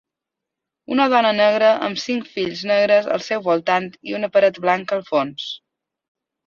Una dona negra amb cinc fills negres al seu voltant i una paret blanca al fons.